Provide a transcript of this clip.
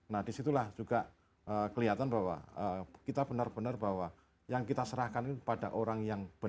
nah disitulah juga kelihatan bahwa kita benar benar bahwa yang kita serahkan langsung